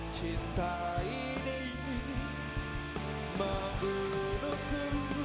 cinta ini membunuhku